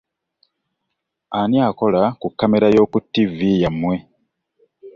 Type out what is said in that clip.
Ani akola ku kkamera yo ku ttivi yammwe?